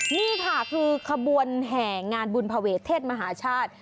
นี่ค่ะคือขบวนแห่งานบุญภเวทเทศมหาชาติ